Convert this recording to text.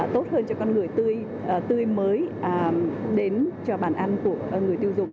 tốt hơn cho con người tươi tươi mới đến cho bàn ăn của người tiêu dùng